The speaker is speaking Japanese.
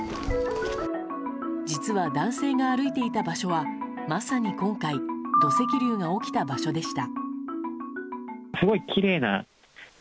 実は、男性が歩いていた場所はまさに今回土石流が起きた場所でした。